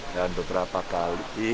dan beberapa kali